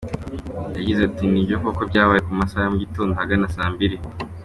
Yagize ati “Nibyo koko byabaye mu masaha ya mu gitondo ahagana saa mbili.